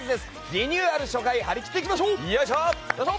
リニューアル初回張り切っていきましょう！